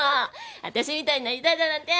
私みたいになりたいだなんて